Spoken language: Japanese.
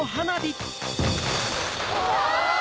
うわ！